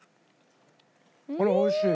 これおいしい。